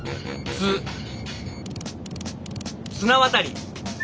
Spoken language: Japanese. つ綱渡り。